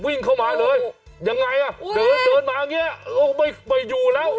วิ่งเข้ามาเลยยังไงอ่ะเดินเดินมาอย่างนี้ก็ไม่อยู่แล้ว